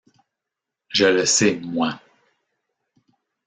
Je le sais, moi.